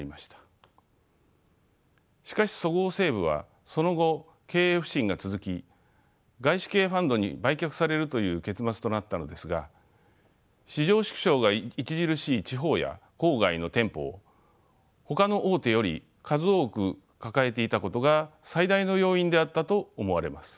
しかしそごう・西武はその後経営不振が続き外資系ファンドに売却されるという結末となったのですが市場縮小が著しい地方や郊外の店舗をほかの大手より数多く抱えていたことが最大の要因であったと思われます。